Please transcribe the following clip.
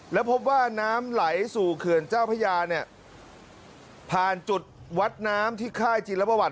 แล้วพบว่าน้ำไหลสู่เขื่อนเจ้าพระยาเนี่ยผ่านจุดวัดน้ำที่ค่ายจิลประวัติ